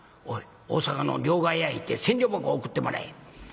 おい大坂の両替屋へ行って千両箱送ってもらえ」。